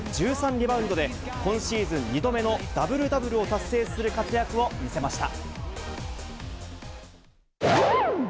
リバウンドで、今シーズン２度目のダブルダブルを達成する活躍を見せました。